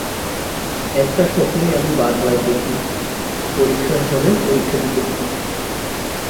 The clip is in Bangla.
একটা স্বপ্নই আমি বারবার দেখি-পরীক্ষা হলে পরীক্ষা দিতে বসেছি।